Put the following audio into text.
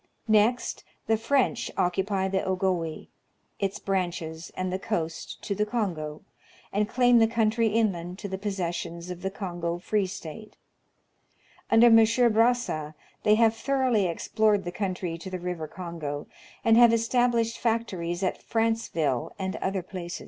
Next, the French occupy the Ogowe, its branches, and the coast, to the Kongo, and claim the country inland to the posses sions of the Kongo Free State. Under M. Brazza, they have thoroughly explored the country to the river Kongo, and have established factories at Franceville and other places.